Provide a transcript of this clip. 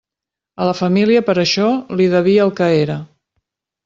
A la família, per això, li devia el que era.